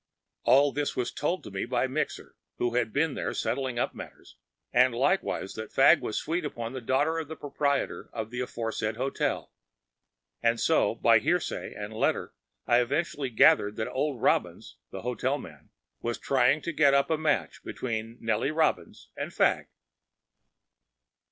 All this was told me by Mixer, who had been there settling up matters, and likewise that Fagg was sweet upon the daughter of the proprietor of the aforesaid hotel. And so by hearsay and letter I eventually gathered that old Robins, the hotel man, was trying to get up a match between Nellie Robins and Fagg.